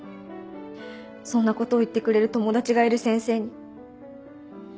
そんなことを言ってくれる友達がいる先生に。